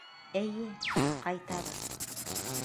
Эйе, ҡайтабыҙ.